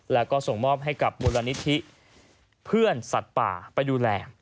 แล้วก็ส่งมอบให้กับมูลนิธิเพื่อนสัตว์ป่าไปดูแล